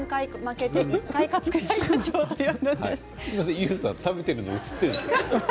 ＹＯＵさん食べているの映ってるのよ。